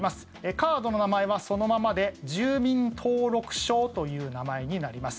カードの名前はそのままで住民登録証という名前になります。